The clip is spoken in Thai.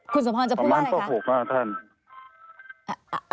คุณสมพรจะพูดว่าอะไรคะ